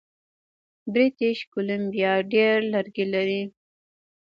بریټیش کولمبیا ډیر لرګي لري.